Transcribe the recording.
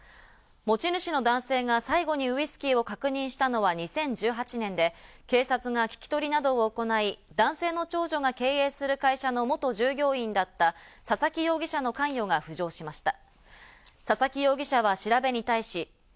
持ち主の男性が最後にウイスキーを確認したのは２０１８年で、警察が聞き取りなどを行い、男性の長女が経営する会社の元従業員だった佐々木容疑者の関与が浮上しました。